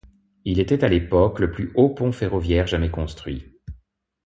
Il était à l'époque le plus haut pont ferroviaire jamais construit.